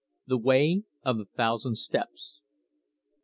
THE WAY OF THE THOUSAND STEPS.